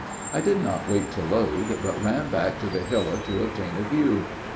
I did not wait to load, but ran back to the hillock to obtain a view.